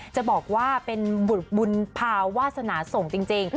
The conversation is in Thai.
จะบอกว่าเป็นบุญภาวาสนาส่งจริง